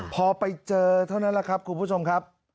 พอไปเจอเท่านั้นแหละครับคุณผู้ชมครับ